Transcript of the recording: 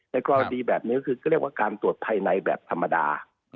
กรณีแบบนี้คือก็เรียกว่าการตรวจภายในแบบธรรมดา